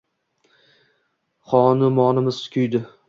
Xonumonimiz kuydi!